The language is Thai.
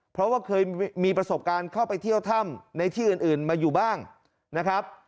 เพราะว่าเคยมีประสบการณ์เข้าไปเที่ยวถ้ำในที่อื่นมาอยู่บ้างนะครับ